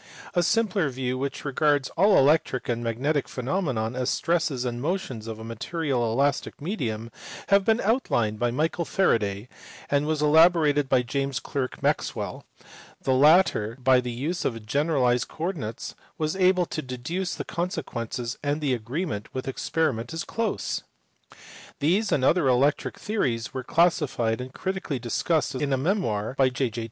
A simpler view which regards all electric and magnetic phenomena as stresses and motions of a material elastic medium had been outlined by Michael Faraday, and was elaborated by James Clerk Maxwell; the latter, by the use of generalized coordinates, was able to deduce the consequences, and the agreement with experiment is close (see below, p. 496). These and other electric theories were classified and critically discussed in a memoir by J. J.